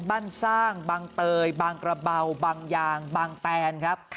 บ้านสร้างบางเตยบางกระเบาบางยางบางแตนครับ